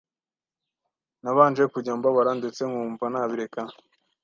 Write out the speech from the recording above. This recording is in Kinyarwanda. Nabanje kujya mbabara ndetse nkumva nabireka